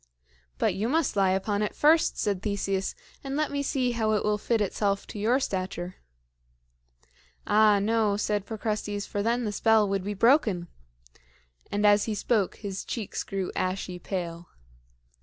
"But you must lie upon it first," said Theseus, "and let me see how it will fit itself to your stature." "Ah, no," said Procrustes, "for then the spell would be broken," and as he spoke his cheeks grew ashy pale.